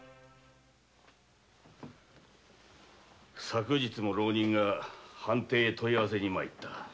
昨日も浪人が藩邸に問い合わせに参った。